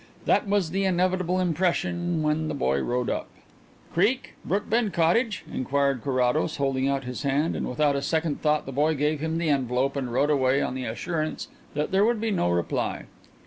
That was the inevitable impression when the boy rode up. "Creake, Brookbend Cottage?" inquired Carrados, holding out his hand, and without a second thought the boy gave him the envelope and rode away on the assurance that there would be no reply.